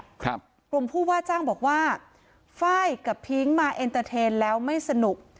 กลุ่มผู้ว่าจ้างบอกว่าไฟล์กับพิ้งมาเอ็นเตอร์เทนแล้วไม่สนุก